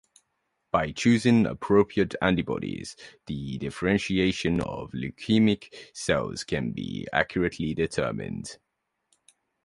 By choosing appropriate antibodies, the differentiation of leukemic cells can be accurately determined.